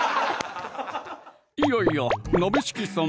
いやいや鍋敷きさん